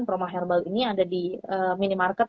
trauma herbal ini ada di minimarket